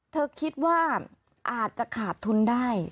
เธอคิดว่าอาจจะขาดทุนได้